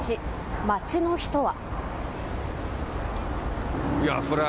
街の人は。